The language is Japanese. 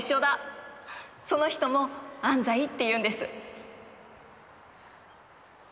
その人も安西っていうんです。